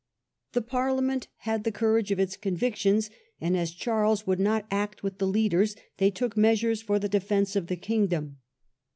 The Parliament had the courage of its convictions, and as Charles would not act with the leaders, they took measures for the defence of the kingdom.